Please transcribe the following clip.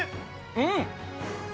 うん！